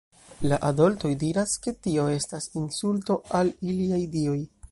La adoltoj diras, ke tio estas insulto al iliaj dioj.